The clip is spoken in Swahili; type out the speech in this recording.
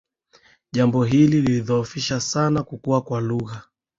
Jambo hili lilidhoofisha sana kukua kwa lugha